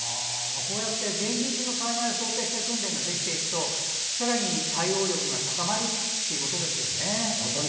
こうやって現実の災害を想定して訓練ができるとさらに対応力が高まることですね。